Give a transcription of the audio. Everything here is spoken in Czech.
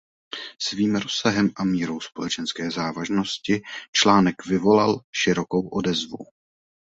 Svým rozsahem a mírou společenské závažnosti článek vyvolal širokou odezvu.